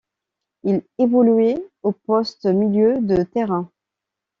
Il évoluait au poste milieu de terrain.